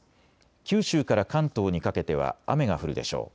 九州から関東にかけては雨が降るでしょう。